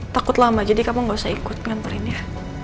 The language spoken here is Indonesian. takut lama jadi kamu gak usah ikut ngantarin ya